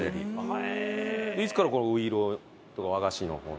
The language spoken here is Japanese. いつからこのういろうとか和菓子の方に？